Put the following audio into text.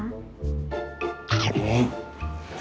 โอ้โห